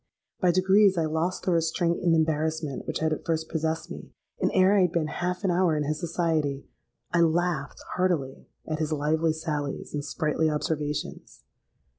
By degrees I lost the restraint and embarrassment which had at first possessed me; and ere I had been half an hour in his society, I laughed heartily at his lively sallies and sprightly observations.